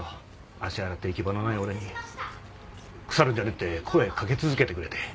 足洗って行き場のない俺に腐るんじゃねえって声かけ続けてくれて。